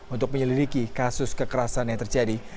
untuk menyelidiki kasus kekerasan yang terjadi